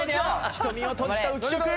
瞳を閉じた浮所君。